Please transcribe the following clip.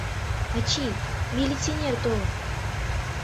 Ачий, милитсинер толын.